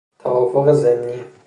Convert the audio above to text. توافق ضمنی